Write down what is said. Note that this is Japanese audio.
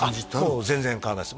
もう全然変わらないです